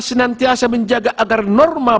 senantiasa menjaga agar normal